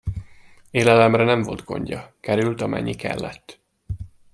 Élelemre nem volt gondja, került, amennyi kellett.